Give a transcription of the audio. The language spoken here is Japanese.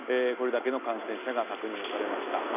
これだけの感染者が確認されました。